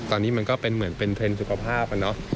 ตอนนี้มันก็เป็นเหมือนเป็นเทรนด์สุขภาพอะเนาะ